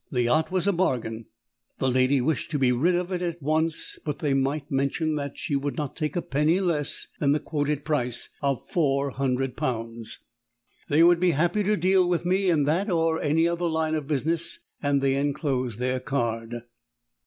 The yacht was a bargain. The lady wished to be rid of it at once; but they might mention that she would not take a penny less than the quoted price of 400 pounds. They would be happy to deal with me in that or any other line of business; and they enclosed their card.